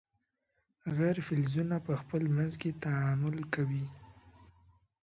غیر فلزونه په خپل منځ کې تعامل کوي.